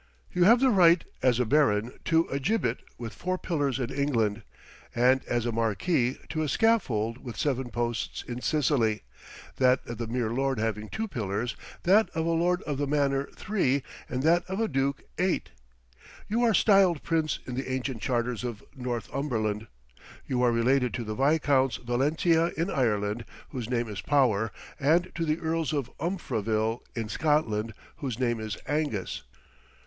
You have the right, as a baron, to a gibbet with four pillars in England; and, as a marquis, to a scaffold with seven posts in Sicily: that of the mere lord having two pillars; that of a lord of the manor, three; and that of a duke, eight. You are styled prince in the ancient charters of Northumberland. You are related to the Viscounts Valentia in Ireland, whose name is Power; and to the Earls of Umfraville in Scotland, whose name is Angus.